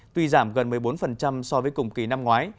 tuy giảm gần một mươi bốn so với cùng kỳ năm ngoái